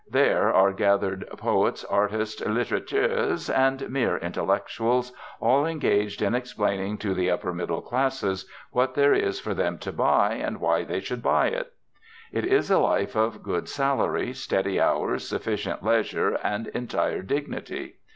There are gathered poets, artists, litterateurs, and mere intellectuals, all engaged in explaining to the upper middle classes what there is for them to buy and why they should buy it. It is a life of good salary, steady hours, sufficient leisure, and entire dignity.